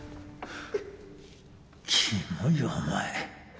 キモいよお前。